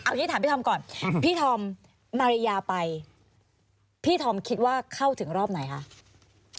พี่ถามพี่ธรรมก่อนพี่ธรรมมาริยาไปพี่ธรรมคิดว่าเข้าถึงรอบไหนฮะ